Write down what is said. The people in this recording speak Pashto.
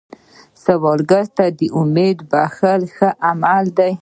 سوالګر ته امید بښل ښه عمل دی